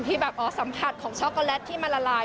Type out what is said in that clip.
ที่แบบอ๋อสัมผัสของช็อกโกแลตที่มันละลาย